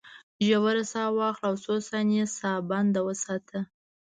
ژوره ساه واخله او څو ثانیې ساه بنده وساته.